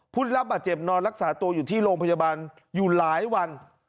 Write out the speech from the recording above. ผู้ได้รับบาดเจ็บนอนรักษาตัวอยู่ที่โรงพยาบาลอยู่หลายวัน